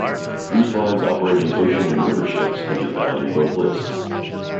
Cruise lines operating ocean and river ships can be found in both lists.